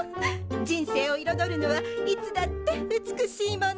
人生をいろどるのはいつだって美しいもの！